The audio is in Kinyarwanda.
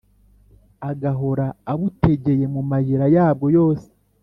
agahora abutegeye mu mayira yabwo yose;